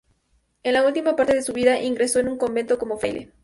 En la última parte de su vida ingresó en un convento como fraile.